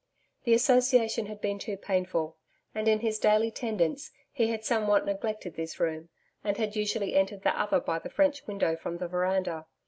The association had been too painful, and in his daily tendance he had somewhat neglected this room and had usually entered the other by the French window from the veranda.